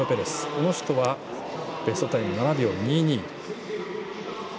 この人はベストタイム７秒２２。